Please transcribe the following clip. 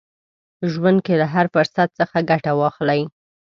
ژوند کې له هر فرصت څخه ګټه واخلئ.